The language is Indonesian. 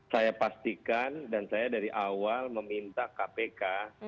saya pastikan dan saya dari awal meminta kpk